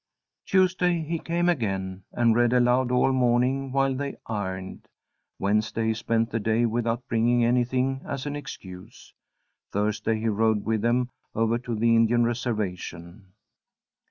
Tuesday he came again, and read aloud all morning while they ironed. Wednesday he spent the day without bringing anything as an excuse. Thursday he rode with them over to the Indian reservation.